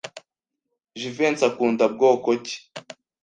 Jivency akunda bwoko ki?